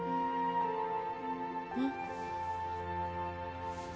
うん。